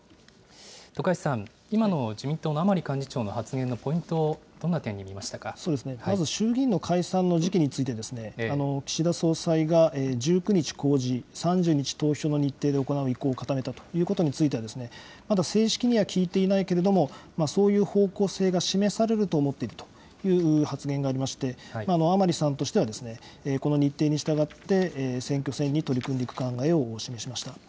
徳橋さん、今の自民党の甘利幹事長の発言のポイントを、どんな点まず衆議院の解散の時期について、岸田総裁が、１９日公示、３０日投票の日程で行う意向を固めたということについては、まだ正式には聞いていないけれども、そういう方向性が示されると思っているという発言がありまして、甘利さんとしてはこの日程に従って、選挙戦に取り組んでいく考えを示しました。